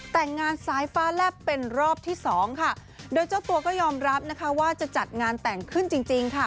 แต่งงานซ้ายฟ้าแลบเป็นรอบที่สองค่ะโดยเจ้าตัวก็ยอมรับนะคะว่าจะจัดงานแต่งขึ้นจริงจริงค่ะ